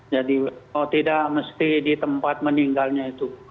jadi tidak mesti di tempat meninggalnya itu